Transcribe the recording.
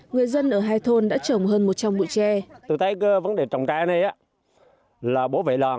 người dân ở hai thôn đã trồng hơn một trăm linh bụi tre